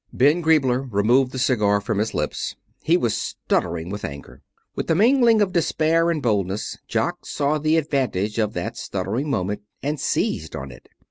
Ben Griebler removed the cigar from his lips. He was stuttering with anger. With a mingling of despair and boldness Jock saw the advantage of that stuttering moment and seized on it.